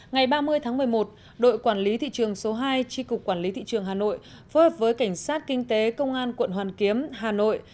ngày ba mươi tháng một mươi một đội quản lý thị trường số hai tri cục quản lý thị trường hà nội phối hợp với cảnh sát kinh tế công an quận hoàn kiếm hà nội